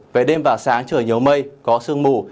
về đêm và sáng trời nhiều mây có sương mù